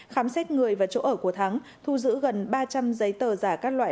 khám xét người và chỗ ở của thắng thu giữ gần ba trăm linh giấy tờ giả các loại